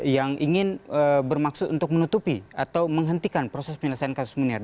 yang ingin bermaksud untuk menutupi atau menghentikan proses penyelesaian kasus munir